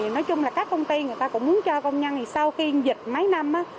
nói chung là các công ty người ta cũng muốn cho công nhân sau khi dịch mấy năm